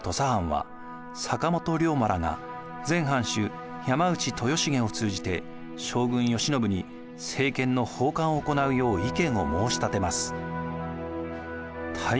藩は坂本龍馬らが前藩主・山内豊重を通じて将軍・慶喜に政権の奉還を行うよう意見を申し立てます。